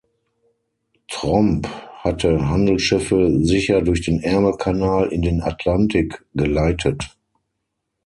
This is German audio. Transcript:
Tromp hatte Handelsschiffe sicher durch den Ärmelkanal in den Atlantik geleitet.